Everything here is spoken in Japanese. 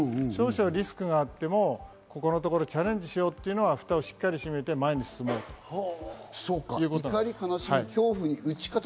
リスクがあっても、ここのところをチャレンジしようというのは蓋をしっかり閉めて前に進むということなんです。